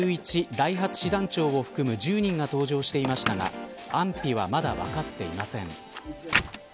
第８師団長を含む１０人が搭乗していましたが安否はまだ分かっていません。